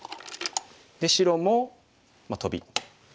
白もトビ。